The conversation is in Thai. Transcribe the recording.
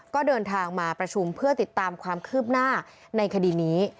ก็เดินทางมาประชุมเพื่อติดตามความคืบหน้าในคดีนี้